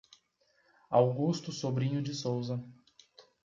Augusto Sobrinho de Souza